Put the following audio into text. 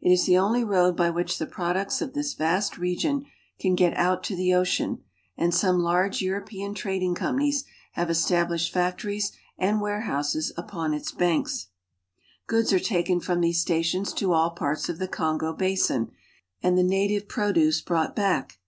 It is the only td by which the products of this vast region can get out to the ocean; and some large European trading companies have established factories and warehouses upon its banks. < A Iradlng factory on the Kongo. ' Goods are taken from these stations to all parts of the Kongo basin, and the native produce brought back.